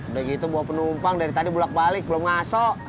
udah gitu bawa penumpang dari tadi bulat balik belum masuk